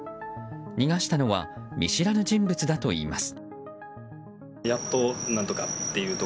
逃がしたのは見知らぬ人物だといいます。